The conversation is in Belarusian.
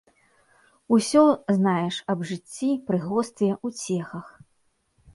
Усё, знаеш, аб жыцці, прыгостве, уцехах.